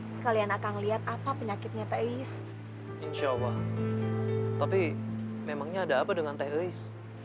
sekalian akang lihat apa penyakitnya teh eis insyaallah tapi memangnya ada apa dengan teh eis